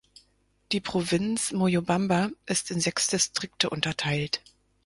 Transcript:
Die Provinz Moyobamba ist in sechs Distrikte unterteilt.